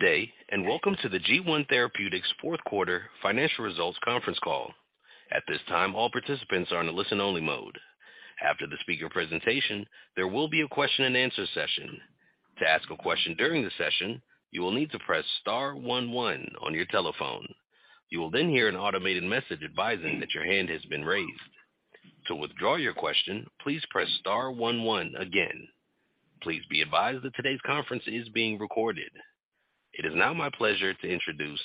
Good day, welcome to the G1 Therapeutics Fourth Quarter Financial Results Conference Call. At this time, all participants are in a listen-only mode. After the speaker presentation, there will be a question-and-answer session. To ask a question during the session, you will need to press star one one on your telephone. You will then hear an automated message advising that your hand has been raised. To withdraw your question, please press star one one again. Please be advised that today's conference is being recorded. It is now my pleasure to introduce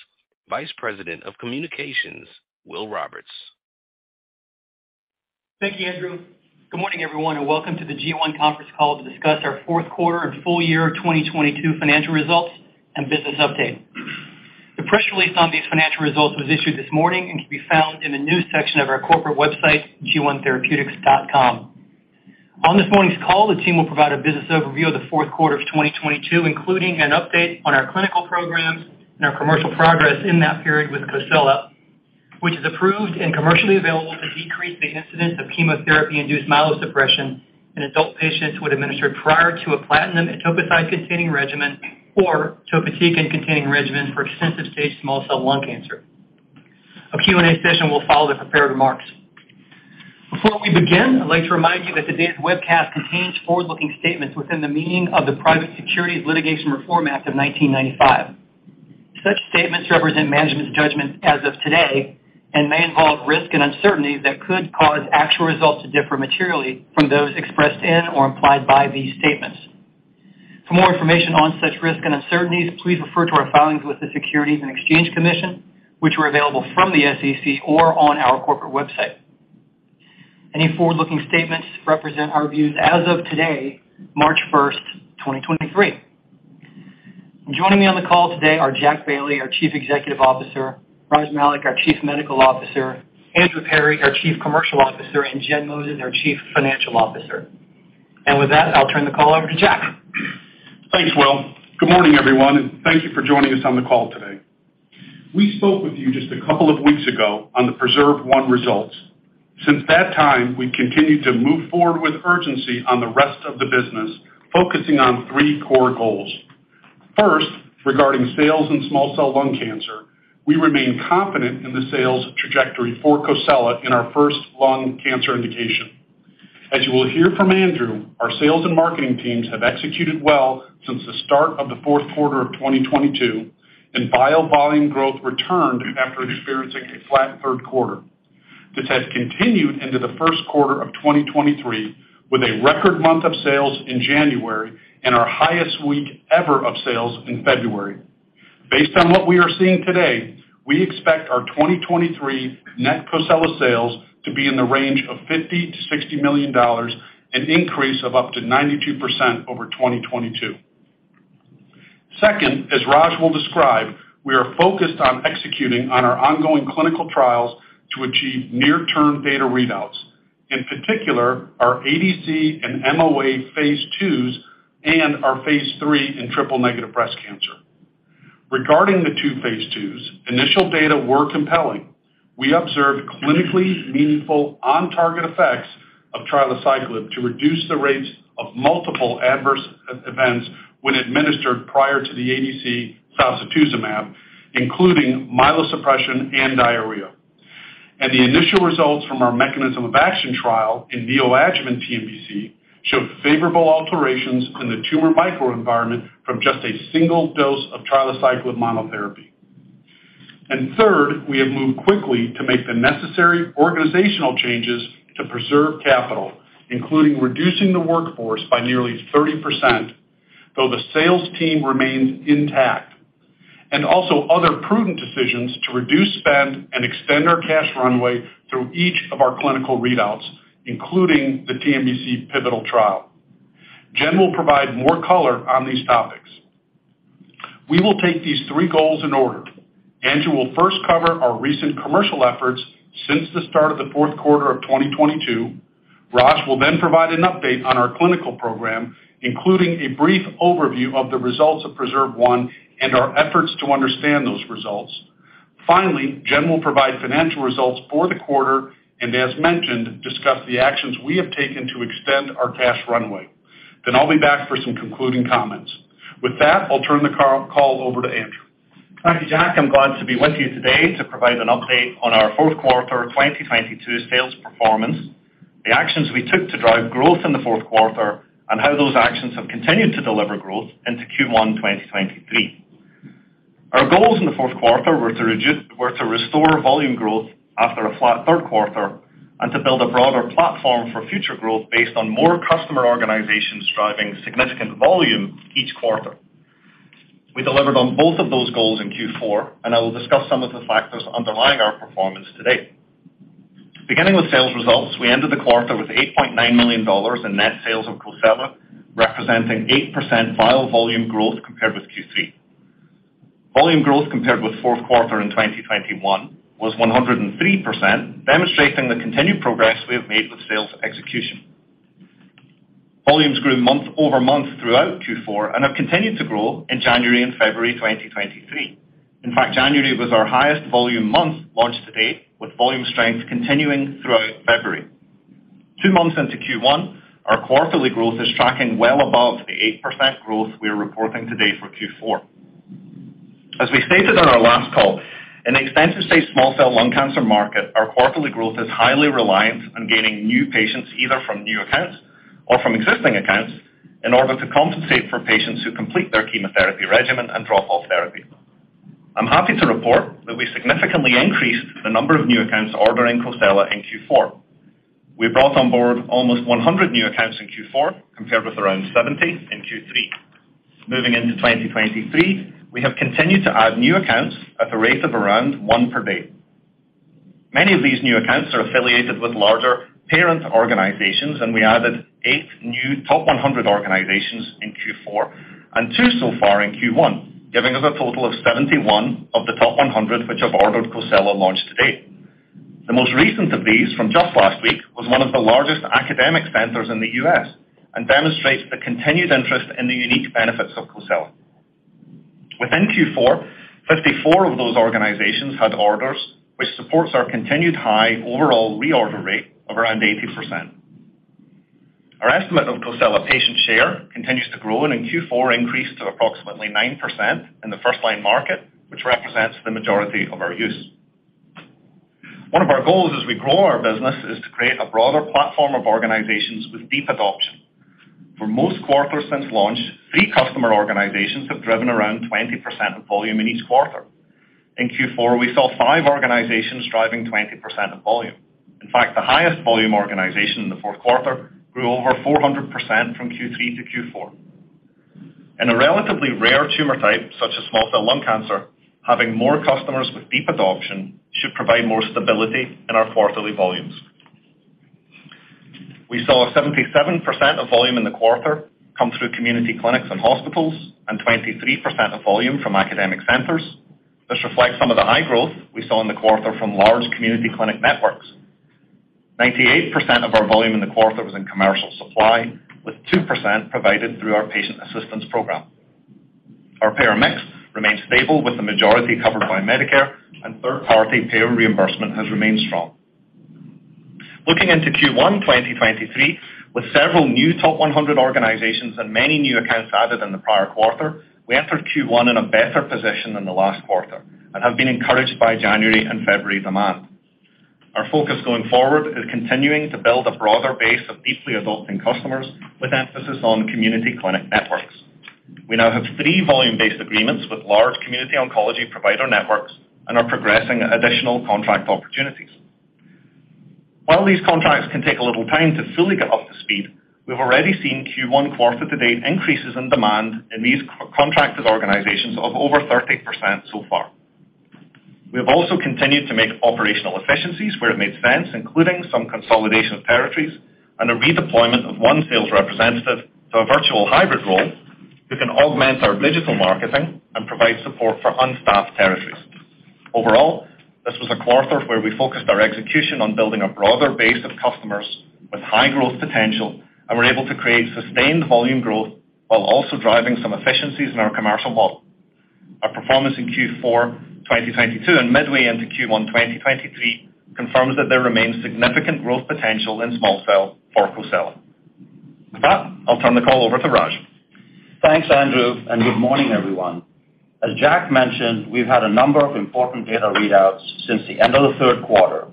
Vice President of Communications, Will Roberts. Thank you, Andrew. Good morning, everyone, and welcome to the G1 conference call to discuss our fourth quarter and full year 2022 financial results and business update. The press release on these financial results was issued this morning and can be found in the news section of our corporate website, g1therapeutics.com. On this morning's call, the team will provide a business overview of the fourth quarter of 2022, including an update on our clinical programs and our commercial progress in that period with COSELA, which is approved and commercially available to decrease the incidence of chemotherapy-induced myelosuppression in adult patients who had administered prior to a platinum and etoposide-containing regimen or topotecan-containing regimen for extensive-stage small cell lung cancer. A Q&A session will follow the prepared remarks. Before we begin, I'd like to remind you that today's webcast contains forward-looking statements within the meaning of the Private Securities Litigation Reform Act of 1995. Such statements represent management's judgments as of today and may involve risk and uncertainty that could cause actual results to differ materially from those expressed in or implied by these statements. For more information on such risk and uncertainties, please refer to our filings with the Securities and Exchange Commission, which are available from the SEC or on our corporate website. Any forward-looking statements represent our views as of today, March 1st, 2023. Joining me on the call today are Jack Bailey, our Chief Executive Officer, Raj Malik, our Chief Medical Officer, Andrew Perry, our Chief Commercial Officer, and Jen Moses, our Chief Financial Officer. With that, I'll turn the call over to Jack. Thanks, Will. Good morning, everyone, thank you for joining us on the call today. We spoke with you just a couple of weeks ago on the PRESERVE 1 results. Since that time, we've continued to move forward with urgency on the rest of the business, focusing on three core goals. First, regarding sales in small cell lung cancer, we remain confident in the sales trajectory for COSELA in our first lung cancer indication. As you will hear from Andrew, our sales and marketing teams have executed well since the start of the fourth quarter of 2022, and vial volume growth returned after experiencing a flat third quarter. This has continued into the first quarter of 2023 with a record month of sales in January and our highest week ever of sales in February. Based on what we are seeing today, we expect our 2023 net COSELA sales to be in the range of $50 million-$60 million, an increase of up to 92% over 2022. Second, as Raj will describe, we are focused on executing on our ongoing clinical trials to achieve near-term data readouts, in particular our ADC and MOA phase IIs and our phase III in triple-negative breast cancer. Regarding the two phase IIs, initial data were compelling. We observed clinically meaningful on-target effects of trilaciclib to reduce the rates of multiple adverse e-events when administered prior to the ADC sacituzumab, including myelosuppression and diarrhea. The initial results from our mechanism of action trial in neoadjuvant TNBC showed favorable alterations in the tumor microenvironment from just a single dose of trilaciclib monotherapy. Third, we have moved quickly to make the necessary organizational changes to preserve capital, including reducing the workforce by nearly 30%, though the sales team remains intact, and also other prudent decisions to reduce spend and extend our cash runway through each of our clinical readouts, including the TNBC pivotal trial. Jen will provide more color on these topics. We will take these three goals in order. Andrew will first cover our recent commercial efforts since the start of the fourth quarter of 2022. Raj will then provide an update on our clinical program, including a brief overview of the results of PRESERVE 1 and our efforts to understand those results. Finally, Jen will provide financial results for the quarter and, as mentioned, discuss the actions we have taken to extend our cash runway. I'll be back for some concluding comments. With that, I'll turn the call over to Andrew. Thank you, Jack. I'm glad to be with you today to provide an update on our fourth quarter 2022 sales performance, the actions we took to drive growth in the fourth quarter, and how those actions have continued to deliver growth into Q1 2023. Our goals in the fourth quarter were to restore volume growth after a flat third quarter and to build a broader platform for future growth based on more customer organizations driving significant volume each quarter. We delivered on both of those goals in Q4. I will discuss some of the factors underlying our performance today. Beginning with sales results, we ended the quarter with $8.9 million in net sales of COSELA, representing 8% vial volume growth compared with Q3. Volume growth compared with Q4 in 2021 was 103%, demonstrating the continued progress we have made with sales execution. Volumes grew month-over-month throughout Q4 and have continued to grow in January and February 2023. January was our highest volume month launched to date, with volume strength continuing throughout February. Two months into Q1, our quarterly growth is tracking well above the 8% growth we are reporting today for Q4. As we stated on our last call, in extensive-stage small cell lung cancer market, our quarterly growth is highly reliant on gaining new patients, either from new accounts or from existing accounts, in order to compensate for patients who complete their chemotherapy regimen and drop off therapy. I'm happy to report that we significantly increased the number of new accounts ordering COSELA in Q4. We brought on board almost 100 new accounts in Q4 compared with around 70 in Q3. Moving into 2023, we have continued to add new accounts at the rate of around one per day. Many of these new accounts are affiliated with larger parent organizations, and we added eight new top 100 organizations in Q4 and two so far in Q1, giving us a total of 71 of the top 100 which have ordered COSELA launched to date. The most recent of these from just last week, was one of the largest academic centers in the U.S. and demonstrates the continued interest in the unique benefits of COSELA. Within Q4, 54 of those organizations had orders, which supports our continued high overall reorder rate of around 80%. Our estimate of COSELA patient share continues to grow, and in Q4 increased to approximately 9% in the first line market, which represents the majority of our use. One of our goals as we grow our business is to create a broader platform of organizations with deep adoption. For most quarters since launch, three customer organizations have driven around 20% of volume in each quarter. In Q4, we saw five organizations driving 20% of volume. In fact, the highest volume organization in the fourth quarter grew over 400% from Q3-Q4. In a relatively rare tumor type, such as small cell lung cancer, having more customers with deep adoption should provide more stability in our quarterly volumes. We saw 77% of volume in the quarter come through community clinics and hospitals, and 23% of volume from academic centers, which reflects some of the high growth we saw in the quarter from large community clinic networks. 98% of our volume in the quarter was in commercial supply, with 2% provided through our patient assistance program. Our payer mix remains stable, with the majority covered by Medicare and third-party payer reimbursement has remained strong. Looking into Q1 2023, with several new top 100 organizations and many new accounts added in the prior quarter, we entered Q1 in a better position than the last quarter and have been encouraged by January and February demand. Our focus going forward is continuing to build a broader base of deeply adopting customers with emphasis on community clinic networks. We now have three volume-based agreements with large community oncology provider networks and are progressing additional contract opportunities. While these contracts can take a little time to fully get up to speed, we've already seen Q1 quarter to date increases in demand in these contracted organizations of over 30% so far. We have also continued to make operational efficiencies where it made sense, including some consolidation of territories and a redeployment of one sales representative to a virtual hybrid role who can augment our digital marketing and provide support for unstaffed territories. Overall, this was a quarter where we focused our execution on building a broader base of customers with high growth potential, and we're able to create sustained volume growth while also driving some efficiencies in our commercial model. Our performance in Q4, 2022 and midway into Q1, 2023 confirms that there remains significant growth potential in small cell for COSELA. With that, I'll turn the call over to Raj. Thanks, Andrew, and good morning, everyone. As Jack mentioned, we've had a number of important data readouts since the end of the third quarter.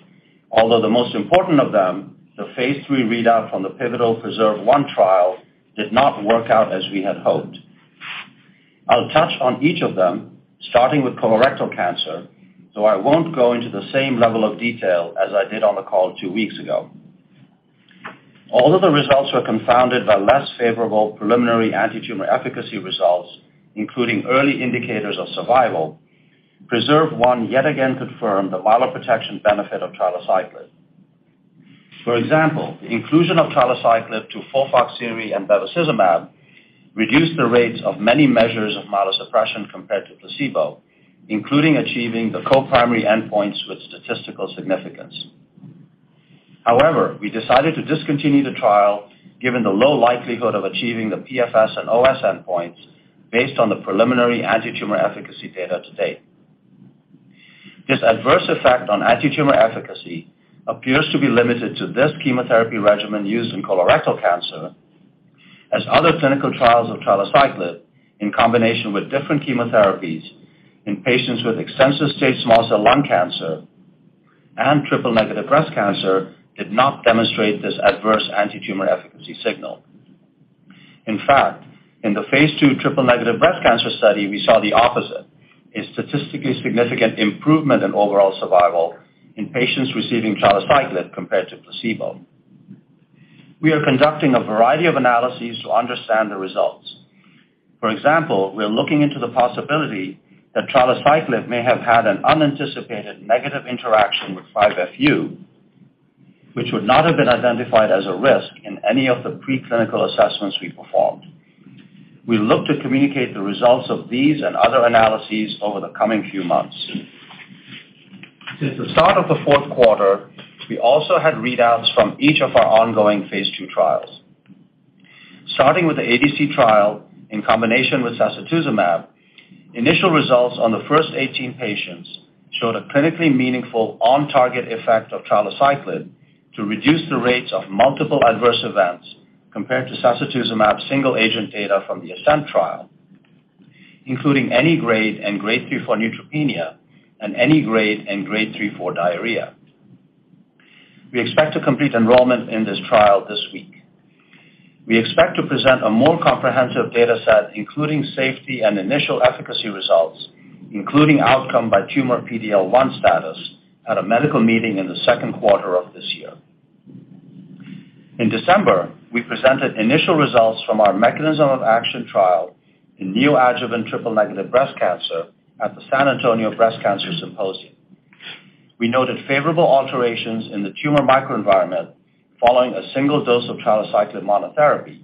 The most important of them, the phase III readout from the pivotal PRESERVE 1 trial, did not work out as we had hoped. I'll touch on each of them, starting with colorectal cancer, so I won't go into the same level of detail as I did on the call two weeks ago. The results were confounded by less favorable preliminary antitumor efficacy results, including early indicators of survival, PRESERVE 1 yet again confirmed the myeloprotection benefit of trilaciclib. For example, the inclusion of trilaciclib to FOLFIRINOX and bevacizumab reduced the rates of many measures of myelosuppression compared to placebo, including achieving the co-primary endpoints with statistical significance. However, we decided to discontinue the trial given the low likelihood of achieving the PFS and OS endpoints based on the preliminary antitumor efficacy data to date. This adverse effect on antitumor efficacy appears to be limited to this chemotherapy regimen used in colorectal cancer as other clinical trials of trilaciclib in combination with different chemotherapies in patients with extensive-stage small cell lung cancer and triple-negative breast cancer did not demonstrate this adverse antitumor efficacy signal. In fact, in the phase II triple-negative breast cancer study, we saw the opposite, a statistically significant improvement in overall survival in patients receiving trilaciclib compared to placebo. We are conducting a variety of analyses to understand the results. For example, we are looking into the possibility that trilaciclib may have had an unanticipated negative interaction with 5-FU, which would not have been identified as a risk in any of the preclinical assessments we performed. We look to communicate the results of these and other analyses over the coming few months. Since the start of the fourth quarter, we also had readouts from each of our ongoing phase II trials, starting with the ADC trial in combination with sacituzumab, initial results on the first 18 patients showed a clinically meaningful on-target effect of trilaciclib to reduce the rates of multiple adverse events compared to sacituzumab single agent data from the ASCENT trial, including any grade and grade 3 for neutropenia and any grade and grade 3 for diarrhea. We expect to complete enrollment in this trial this week. We expect to present a more comprehensive data set, including safety and initial efficacy results, including outcome by tumor PD-L1 status at a medical meeting in the second quarter of this year. In December, we presented initial results from our mechanism of action trial in neoadjuvant triple-negative breast cancer at the San Antonio Breast Cancer Symposium. We noted favorable alterations in the tumor microenvironment following a single dose of trilaciclib monotherapy,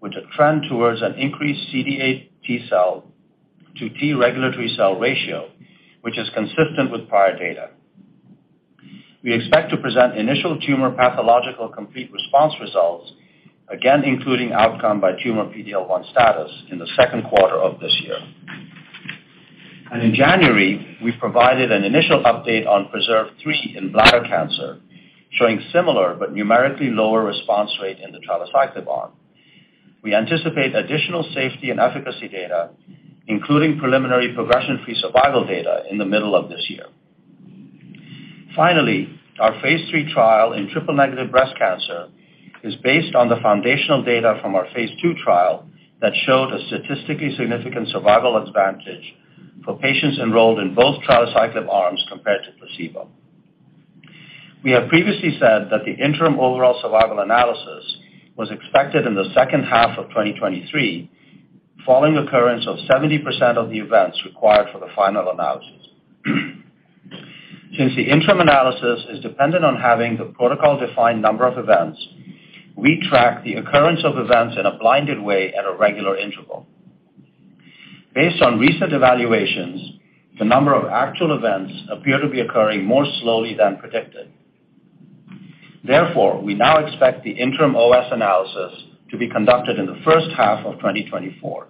with a trend towards an increased CD-8 T cell to T regulatory cell ratio, which is consistent with prior data. We expect to present initial tumor pathologic complete response results, again, including outcome by tumor PD-L1 status in the second quarter of this year. In January, we provided an initial update on PRESERVE 3 in bladder cancer, showing similar but numerically lower response rate in the trilaciclib arm. We anticipate additional safety and efficacy data, including preliminary progression-free survival data in the middle of this year. Our phase three trial in triple-negative breast cancer is based on the foundational data from our phase II trial that showed a statistically significant survival advantage for patients enrolled in both trilaciclib arms compared to placebo. We have previously said that the interim overall survival analysis was expected in the second half of 2023, following occurrence of 70% of the events required for the final analysis. The interim analysis is dependent on having the protocol defined number of events, we track the occurrence of events in a blinded way at a regular interval. Based on recent evaluations, the number of actual events appear to be occurring more slowly than predicted. We now expect the interim OS analysis to be conducted in the first half of 2024.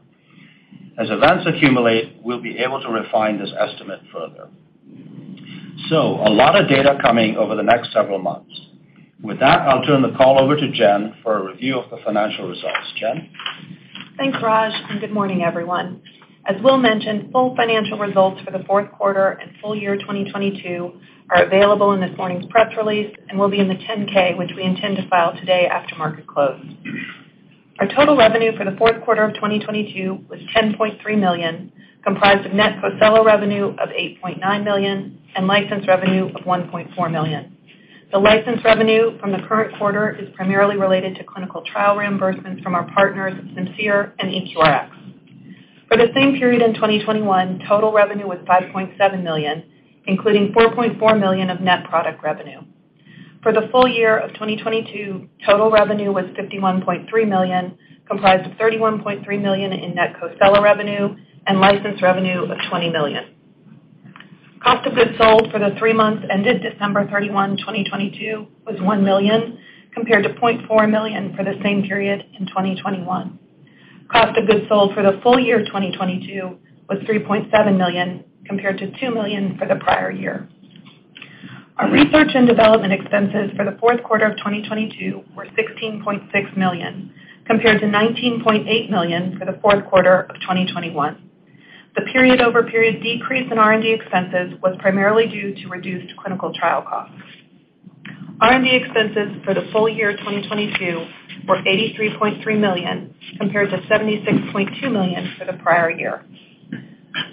As events accumulate, we'll be able to refine this estimate further. A lot of data coming over the next several months. With that, I'll turn the call over to Jen for a review of the financial results. Jen. Thanks, Raj, good morning, everyone. As Will mentioned, full financial results for the fourth quarter and full year 2022 are available in this morning's press release and will be in the 10-K, which we intend to file today after market close. Our total revenue for the fourth quarter of 2022 was $10.3 million, comprised of net COSELA revenue of $8.9 million and license revenue of $1.4 million. The license revenue from the current quarter is primarily related to clinical trial reimbursements from our partners, Simcere and EQRx. For the same period in 2021, total revenue was $5.7 million, including $4.4 million of net product revenue. For the full year of 2022, total revenue was $51.3 million, comprised of $31.3 million in net COSELA revenue and license revenue of $20 million. Cost of goods sold for the three months ended December 31, 2022 was $1 million, compared to $0.4 million for the same period in 2021. Cost of goods sold for the full year 2022 was $3.7 million, compared to $2 million for the prior year. Our research and development expenses for the fourth quarter of 2022 were $16.6 million, compared to $19.8 million for the fourth quarter of 2021. The period-over-period decrease in R&D expenses was primarily due to reduced clinical trial costs. R&D expenses for the full year 2022 were $83.3 million, compared to $76.2 million for the prior year.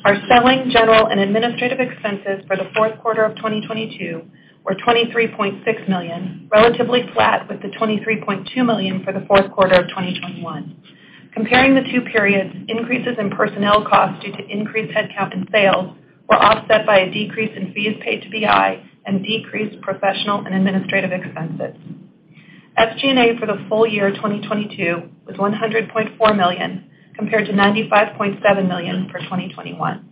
Our selling, general, and administrative expenses for the fourth quarter of 2022 were $23.6 million, relatively flat with the $23.2 million for the fourth quarter of 2021. Comparing the two periods, increases in personnel costs due to increased headcount and sales were offset by a decrease in fees paid to BI and decreased professional and administrative expenses. SG&A for the full year 2022 was $100.4 million, compared to $95.7 million for 2021.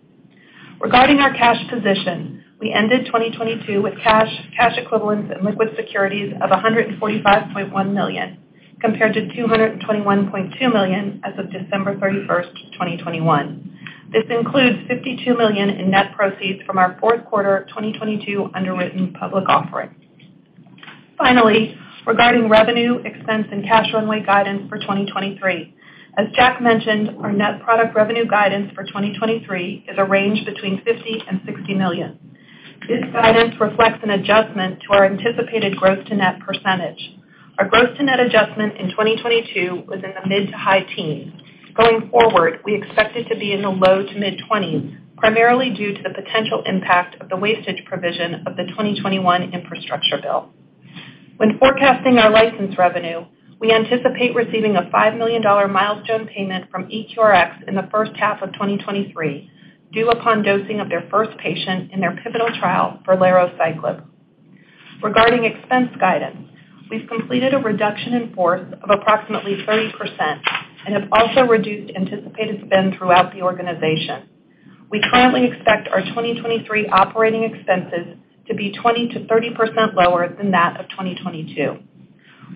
Regarding our cash position, we ended 2022 with cash equivalents, and liquid securities of $145.1 million, compared to $221.2 million as of December 31st, 2021. This includes $52 million in net proceeds from our fourth quarter 2022 underwritten public offering. Regarding revenue, expense, and cash runway guidance for 2023. As Jack mentioned, our net product revenue guidance for 2023 is a range between $50 million-$60 million. This guidance reflects an adjustment to our anticipated gross-to-net percentage. Our gross-to-net adjustment in 2022 was in the mid-to-high teens. Going forward, we expect it to be in the low-to-mid 20s, primarily due to the potential impact of the wastage provision of the 2021 infrastructure bill. When forecasting our license revenue, we anticipate receiving a $5 million milestone payment from EQRx in the first half of 2023, due upon dosing of their first patient in their pivotal trial for lerociclib. Regarding expense guidance, we've completed a reduction in force of approximately 30% and have also reduced anticipated spend throughout the organization. We currently expect our 2023 operating expenses to be 20%-30% lower than that of 2022.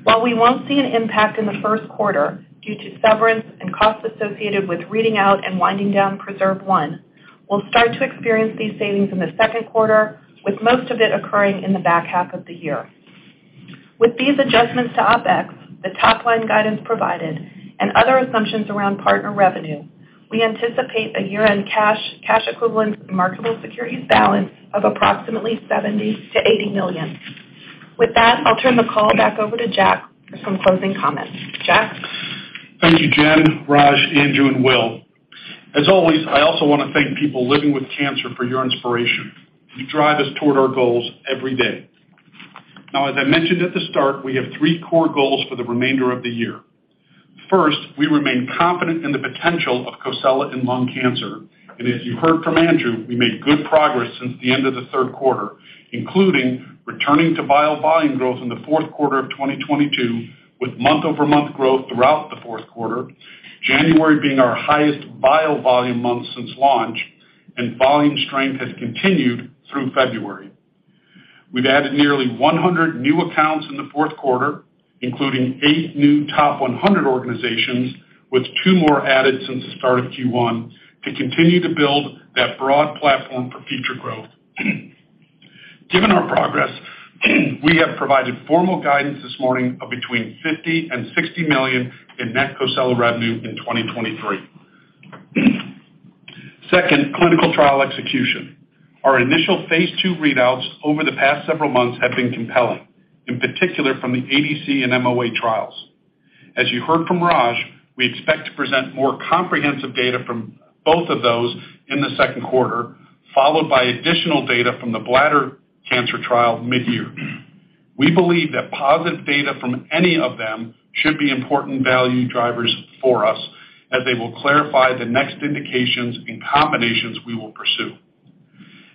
While we won't see an impact in the first quarter due to severance and costs associated with reading out and winding down PRESERVE 1, we'll start to experience these savings in the second quarter, with most of it occurring in the back half of the year. With these adjustments to OpEx, the top line guidance provided, and other assumptions around partner revenue, we anticipate a year-end cash equivalent marketable securities balance of approximately $70 million-$80 million. With that, I'll turn the call back over to Jack for some closing comments. Jack? Thank you, Jen, Raj, Andrew, and Will. As always, I also wanna thank people living with cancer for your inspiration. You drive us toward our goals every day. Now, as I mentioned at the start, we have three core goals for the remainder of the year. First, we remain confident in the potential of COSELA in lung cancer. As you heard from Andrew, we made good progress since the end of the third quarter, including returning to vial volume growth in the fourth quarter of 2022 with month-over-month growth throughout the fourth quarter, January being our highest vial volume month since launch, and volume strength has continued through February. We've added nearly 100 new accounts in the fourth quarter, including eight new top 100 organizations, with two more added since the start of Q1, to continue to build that broad platform for future growth. Given our progress, we have provided formal guidance this morning of between $50 million and $60 million in net COSELA revenue in 2023. Second, clinical trial execution. Our initial phase II readouts over the past several months have been compelling, in particular from the ADC and MOA trials. As you heard from Raj, we expect to present more comprehensive data from both of those in the second quarter, followed by additional data from the bladder cancer trial mid-year.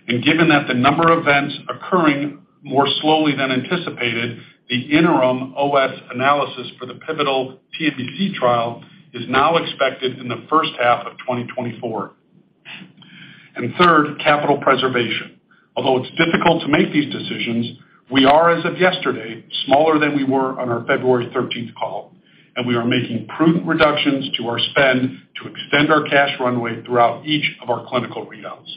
Given that the number of events occurring more slowly than anticipated, the interim OS analysis for the pivotal PAC trial is now expected in the first half of 2024. Third, capital preservation. Although it's difficult to make these decisions, we are, as of yesterday, smaller than we were on our February 13th call, and we are making prudent reductions to our spend to extend our cash runway throughout each of our clinical readouts.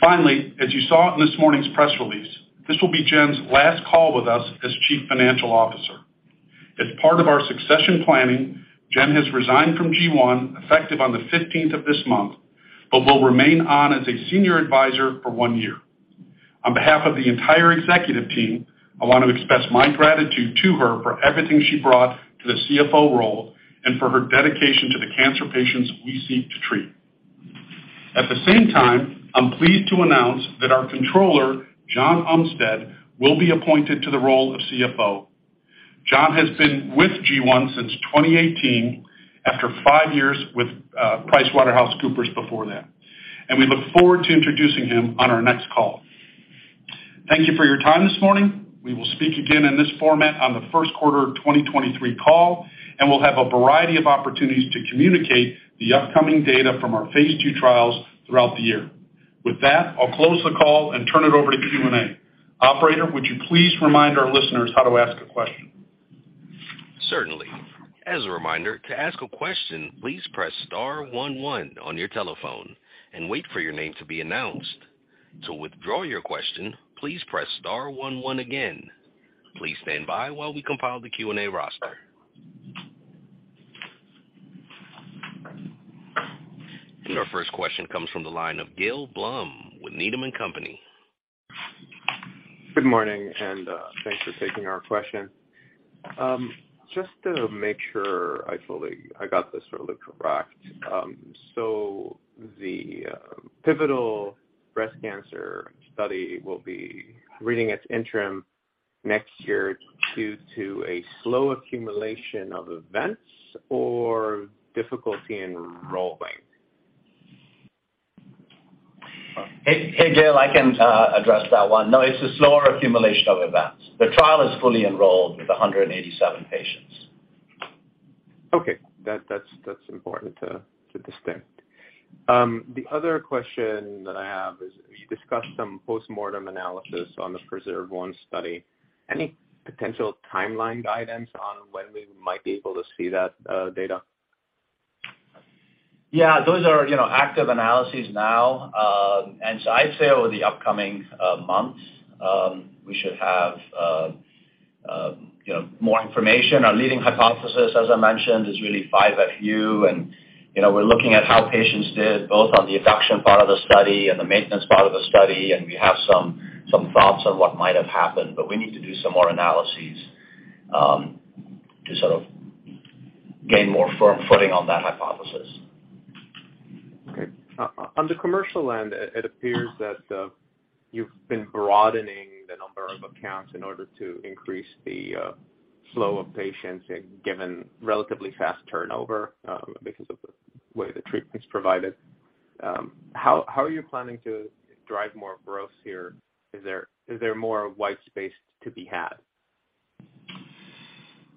Finally, as you saw in this morning's press release, this will be Jen's last call with us as Chief Financial Officer. As part of our succession planning, Jen has resigned from G1 effective on the 15th of this month, but will remain on as a senior advisor for one year. On behalf of the entire executive team, I want to express my gratitude to her for everything she brought to the CFO role and for her dedication to the cancer patients we seek to treat. At the same time, I'm pleased to announce that our Controller, John Umstead, will be appointed to the role of CFO. John has been with G1 since 2018 after five years with PricewaterhouseCoopers before that. We look forward to introducing him on our next call. Thank you for your time this morning. We will speak again in this format on the first quarter of 2023 call. We'll have a variety of opportunities to communicate the upcoming data from our phase II trials throughout the year. With that, I'll close the call and turn it over to Q&A. Operator, would you please remind our listeners how to ask a question? Certainly. As a reminder, to ask a question, please press star one one on your telephone and wait for your name to be announced. To withdraw your question, please press star one one again. Please stand by while we compile the Q&A roster. Your first question comes from the line of Gil Blum with Needham & Company. Good morning, thanks for taking our question. Just to make sure I got this sort of correct. The pivotal breast cancer study will be reading its interim next year due to a slow accumulation of events or difficulty in enrolling? Hey, Gil, I can address that one. It's a slower accumulation of events. The trial is fully enrolled with 187 patients. Okay. That's important to discern. The other question that I have is you discussed some postmortem analysis on the PRESERVE 1 study. Any potential timeline guidance on when we might be able to see that data? Yeah. Those are, you know, active analyses now. I'd say over the upcoming months, we should have, you know, more information. Our leading hypothesis, as I mentioned, is really 5-FU. You know, we're looking at how patients did both on the induction part of the study and the maintenance part of the study, and we have some thoughts on what might have happened. We need to do some more analyses to sort of gain more firm footing on that hypothesis. Okay. On the commercial end, it appears that you've been broadening the number of accounts in order to increase the flow of patients given relatively fast turnover, because of the way the treatment's provided. How are you planning to drive more growth here? Is there more white space to be had?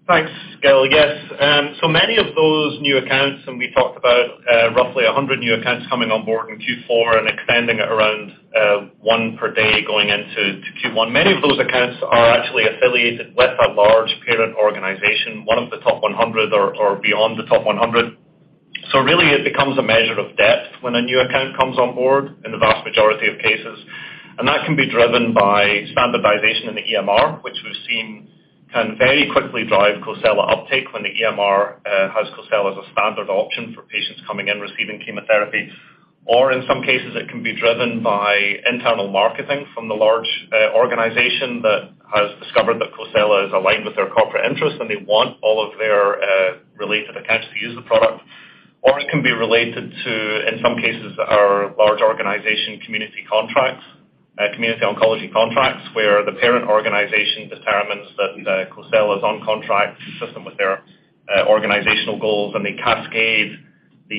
Thanks, Gil. Yes. So many of those new accounts, and we talked about roughly 100 new accounts coming on board in Q4 and expanding at around one per day going into to Q1. Many of those accounts are actually affiliated with a large parent organization, one of the top 100 or beyond the top 100. Really it becomes a measure of depth when a new account comes on board in the vast majority of cases. That can be driven by standardization in the EMR, which we've seen can very quickly drive COSELA uptake when the EMR has COSELA as a standard option for patients coming in receiving chemotherapy. In some cases, it can be driven by internal marketing from the large organization that has discovered that COSELA is aligned with their corporate interests, and they want all of their related accounts to use the product. It can be related to, in some cases, our large organization community contracts, community oncology contracts, where the parent organization determines that COSELA's on contract consistent with their organizational goals, and they cascade the,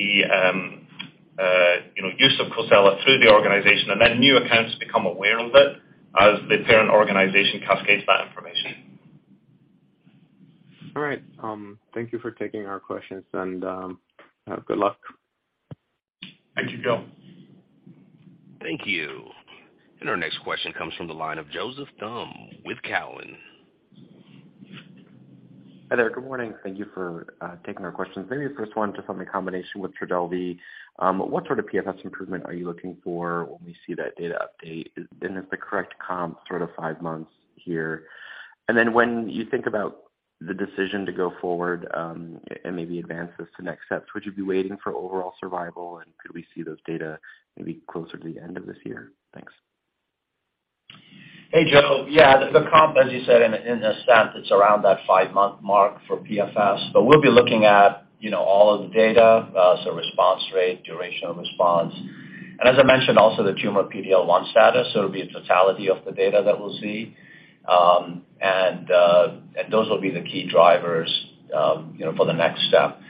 you know, use of COSELA through the organization, and then new accounts become aware of it as the parent organization cascades that information. All right. Thank you for taking our questions, and, have good luck. Thank you, Gil. Thank you. Our next question comes from the line of Joseph Thome with Cowen. Hi there. Good morning. Thank you for taking our questions. Maybe first one just on the combination with TRODELVY. What sort of PFS improvement are you looking for when we see that data update? Is and is the correct comp sort of five months here? When you think about the decision to go forward and maybe advance this to next steps, would you be waiting for overall survival, and could we see those data maybe closer to the end of this year? Thanks. Hey, Joe. Yeah. The comp, as you said, in a sense, it's around that five-month mark for PFS. We'll be looking at, you know, all of the data, so response rate, duration of response. As I mentioned, also the tumor PD-L1 status. It'll be a totality of the data that we'll see. Those will be the key drivers, you know, for the next step.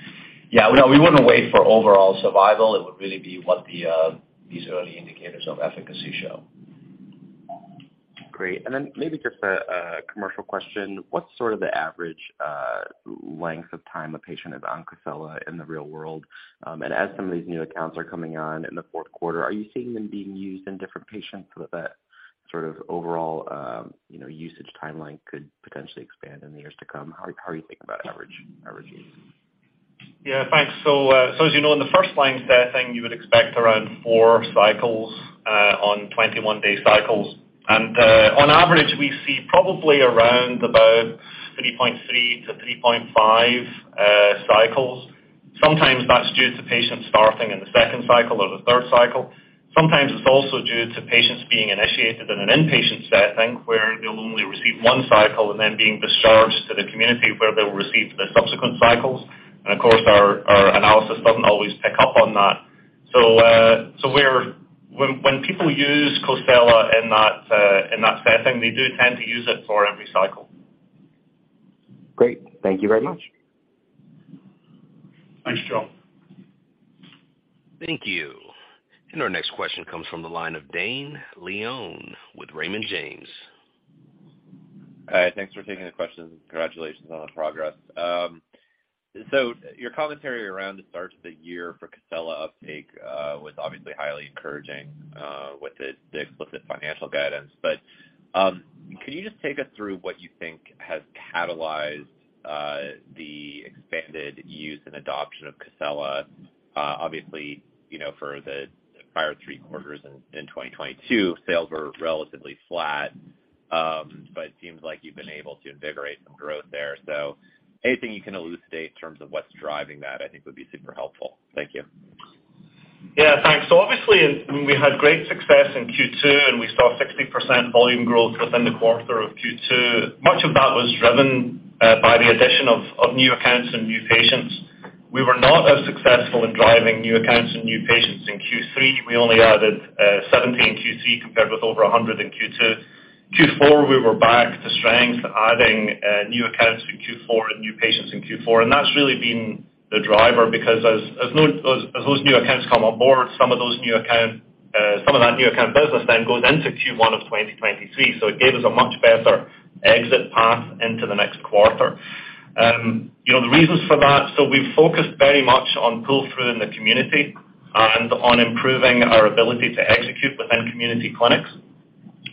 Yeah, we wouldn't wait for overall survival. It would really be what the these early indicators of efficacy show. Great. Then maybe just a commercial question. What's sort of the average length of time a patient is on COSELA in the real world? As some of these new accounts are coming on in the fourth quarter, are you seeing them being used in different patients so that sort of overall, you know, usage timeline could potentially expand in the years to come? How are you thinking about average use? Yeah. Thanks. As you know, in the first line setting, you would expect around four cycles, on 21-day cycles. On average, we see probably around about 3.3-3.5 cycles. Sometimes that's due to patients starting in the second cycle or the third cycle. Sometimes it's also due to patients being initiated in an inpatient setting where they'll only receive one cycle and then being discharged to the community where they'll receive the subsequent cycles. Our, our analysis doesn't always pick up on that. When, when people use COSELA in that, in that setting, they do tend to use it for every cycle. Great. Thank you very much. Thanks, Joe. Thank you. Our next question comes from the line of Dane Leone with Raymond James. Hi. Thanks for taking the questions. Congratulations on the progress. Your commentary around the start of the year for COSELA uptake was obviously highly encouraging with the explicit financial guidance. Could you just take us through what you think has catalyzed the expanded use and adoption of COSELA? Obviously, you know, for the prior three quarters in 2022, sales were relatively flat. But it seems like you've been able to invigorate some growth there. Anything you can elucidate in terms of what's driving that, I think would be super helpful. Thank you. Yeah. Thanks. Obviously, when we had great success in Q2 and we saw 60% volume growth within the quarter of Q2, much of that was driven by the addition of new accounts and new patients. We were not as successful in driving new accounts and new patients in Q3. We only added 17 Q3 compared with over 100 in Q2. Q4, we were back to strength, adding new accounts in Q4 and new patients in Q4. That's really been the driver because as those new accounts come on board, some of that new account business then goes into Q1 of 2023. It gave us a much better exit path into the next quarter. You know, the reasons for that, so we've focused very much on pull-through in the community and on improving our ability to execute within community clinics.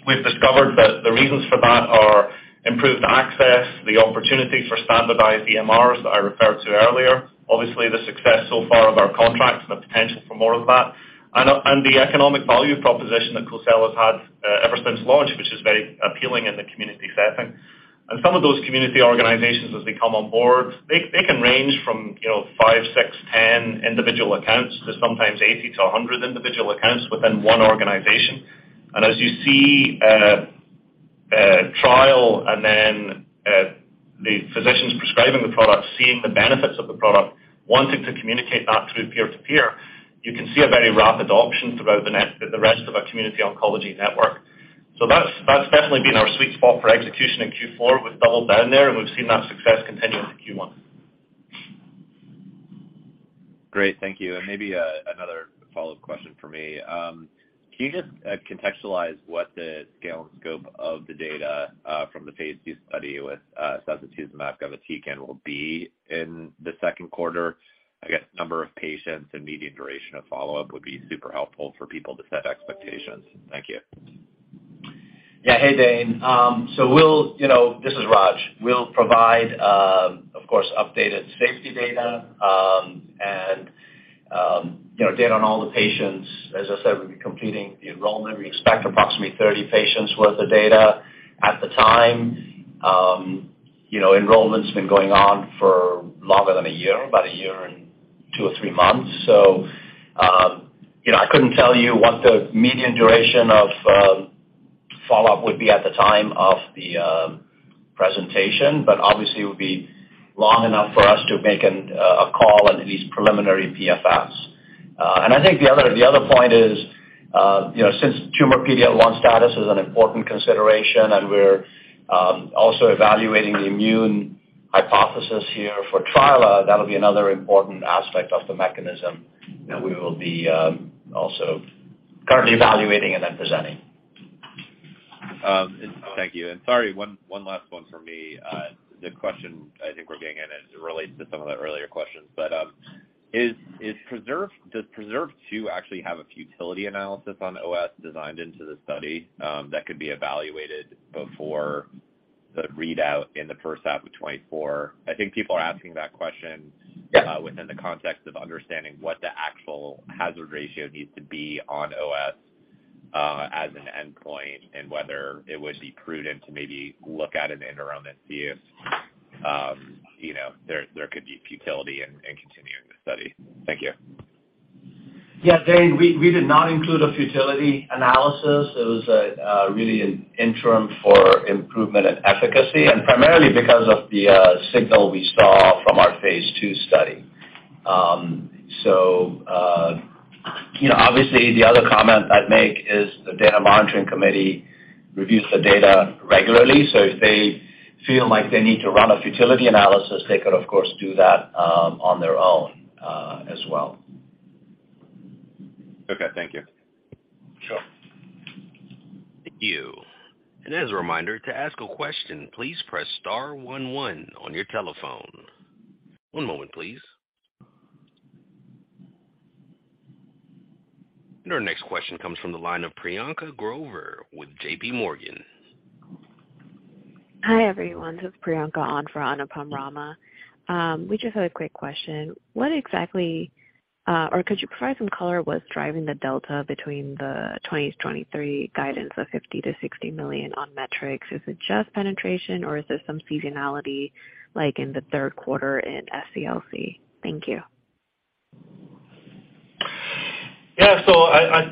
We've discovered that the reasons for that are improved access, the opportunity for standardized EMRs that I referred to earlier, obviously the success so far of our contracts and the potential for more of that, and the economic value proposition that COSELA's had ever since launch, which is very appealing in the community setting. Some of those community organizations as they come on board, they can range from, you know, five, six, 10 individual accounts to sometimes 80-100 individual accounts within one organization. As you see, trial and then, the physicians prescribing the product, seeing the benefits of the product, wanting to communicate that through peer to peer, you can see a very rapid adoption throughout the rest of our community oncology network. That's definitely been our sweet spot for execution in Q4. We've doubled down there, and we've seen that success continue into Q1. Great. Thank you. Maybe another follow-up question for me. Can you just contextualize what the scale and scope of the data from the phase II study with sacituzumab govitecan will be in the second quarter? I guess number of patients and median duration of follow-up would be super helpful for people to set expectations. Thank you. Yeah. Hey, Dane. We'll, you know. This is Raj. We'll provide, of course, updated safety data, and, you know, data on all the patients. As I said, we'll be completing the enrollment. We expect approximately 30 patients worth of data at the time. You know, enrollment's been going on for longer than a year, about a year and two or three months. You know, I couldn't tell you what the median duration of follow-up would be at the time of the presentation, but obviously it would be long enough for us to make a call on at least preliminary PFS. I think the other point is, you know, since tumor PD-L1 status is an important consideration and we're also evaluating the immune hypothesis here for trilaciclib, that'll be another important aspect of the mechanism that we will be also currently evaluating and then presenting. Thank you. Sorry, one last one for me. The question I think we're getting at, and it relates to some of the earlier questions, but, does PRESERVE-2 actually have a futility analysis on OS designed into the study, that could be evaluated before the readout in the first half of 2024? I think people are asking that question. Yeah. Within the context of understanding what the actual hazard ratio needs to be on OS as an endpoint, and whether it would be prudent to maybe look at an interim and see if, you know, there could be futility in continuing the study. Thank you. Yeah, Dane, we did not include a futility analysis. It was really an interim for improvement in efficacy, and primarily because of the signal we saw from our phase II study. You know, obviously the other comment I'd make is the data monitoring committee reviews the data regularly. If they feel like they need to run a futility analysis, they could of course, do that on their own as well. Okay. Thank you. Sure. Thank you. As a reminder, to ask a question, please press star one one on your telephone. One moment, please. Our next question comes from the line of Priyanka Grover with J.P. Morgan. Hi, everyone. This is Priyanka on for Anupam Rama. We just had a quick question. What exactly, or could you provide some color what's driving the delta between the 2023 guidance of $50 million-$60 million on metrics? Is it just penetration or is there some seasonality like in the third quarter in SCLC? Thank you. Yeah.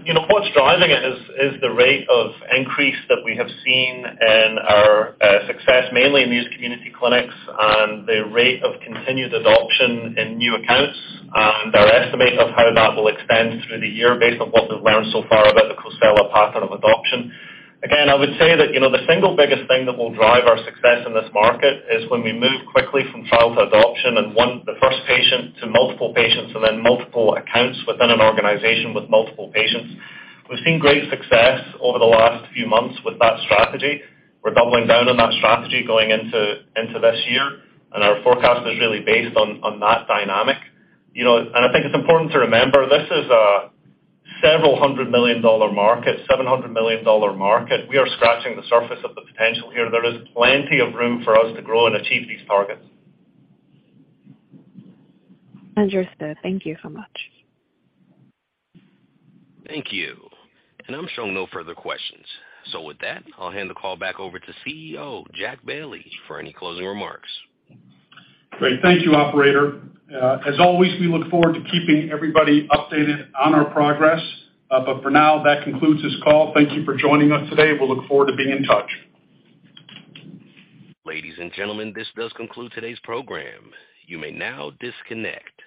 You know, what's driving it is the rate of increase that we have seen in our success, mainly in these community clinics and the rate of continued adoption in new accounts and our estimate of how that will extend through the year based on what we've learned so far about the COSELA pattern of adoption. Again, I would say that, you know, the single biggest thing that will drive our success in this market is when we move quickly from trial to adoption and the first patient to multiple patients and then multiple accounts within an organization with multiple patients. We've seen great success over the last few months with that strategy. We're doubling down on that strategy going into this year, and our forecast is really based on that dynamic. You know, I think it's important to remember, this is a several hundred million dollar market, $700 million market. We are scratching the surface of the potential here. There is plenty of room for us to grow and achieve these targets. Understood. Thank you so much. Thank you. I'm showing no further questions. With that, I'll hand the call back over to CEO, Jack Bailey, for any closing remarks. Great. Thank you, operator. As always, we look forward to keeping everybody updated on our progress. For now, that concludes this call. Thank you for joining us today. We'll look forward to being in touch. Ladies and gentlemen, this does conclude today's program. You may now disconnect.